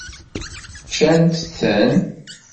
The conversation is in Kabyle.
Ččant-ten?